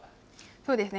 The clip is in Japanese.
そうですね。